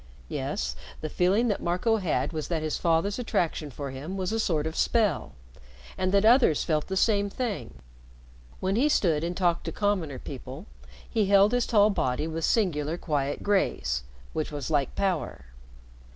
Yes, the feeling that Marco had was that his father's attraction for him was a sort of spell, and that others felt the same thing. When he stood and talked to commoner people, he held his tall body with singular quiet grace which was like power.